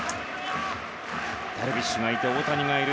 ダルビッシュがいて大谷がいる。